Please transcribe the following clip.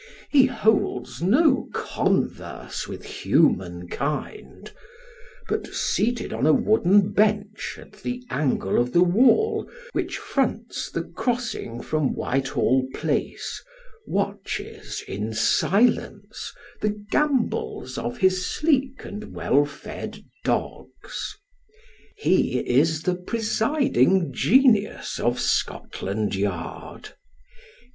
He holds no converse with human kind, but, seated on a wooden bench at the angle of the wall which fronts the crossing from Whitehall Place, watches in silence the gambols of his sleek and well fed dogs. He is the presiding genius of Scotland Yard.